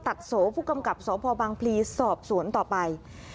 โสผู้กำกับสพบังพลีสอบสวนต่อไป